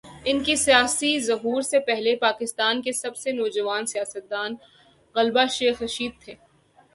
ان کے سیاسی ظہور سے پہلے، پاکستان کے سب سے "نوجوان سیاست دان" غالبا شیخ رشید تھے۔